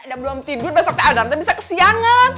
adam belum tidur besoknya adam bisa kesiangan